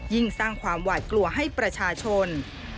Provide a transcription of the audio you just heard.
สร้างความหวาดกลัวให้ประชาชน